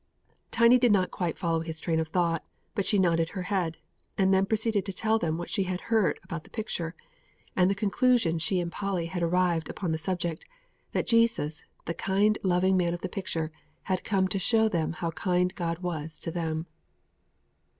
Tiny did not quite follow his train of thought; but she nodded her head, and then proceeded to tell them what she had heard about the picture, and the conclusion she and Polly had arrived at upon the subject that Jesus, the kind, loving man of the picture, had come to show them how kind God was to them.